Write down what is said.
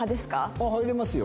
ああ入れますよ。